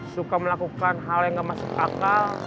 suka melakukan hal yang gak masuk akal